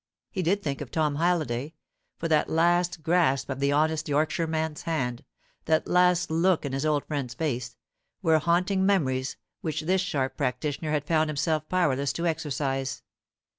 He did think of Tom Halliday; for that last grasp of the honest Yorkshireman's hand, that last look in his old friend's face, were haunting memories which this sharp practitioner had found himself powerless to exorcise.